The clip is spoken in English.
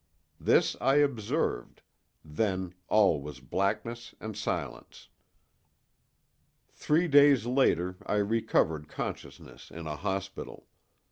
This I observed, then all was blackness and silence. Three days later I recovered consciousness in a hospital.